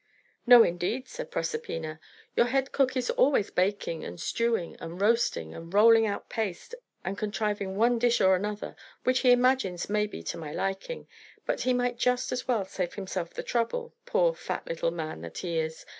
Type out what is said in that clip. "No, indeed," said Proserpina. "Your head cook is always baking, and stewing, and roasting, and rolling out paste, and contriving one dish or another, which he imagines may be to my liking. But he might just as well save himself the trouble, poor, fat little man that he is.